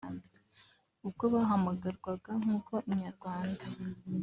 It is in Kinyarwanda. ubwo bahamagarwaga nkuko Inyarwanda